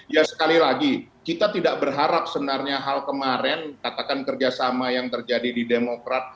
ya sekali lagi kita tidak berharap sebenarnya hal kemarin katakan kerjasama yang terjadi di demokrat